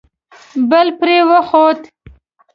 بل پرې وخوت.